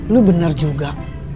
lo bener juga